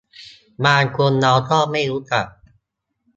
บางคนเราก็ไม่รู้จัก